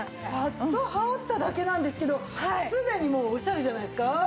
パッと羽織っただけなんですけどすでにもうおしゃれじゃないですか？